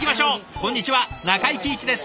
こんにちは中井貴一です。